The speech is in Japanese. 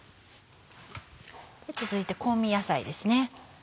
続いて香味野菜ですね。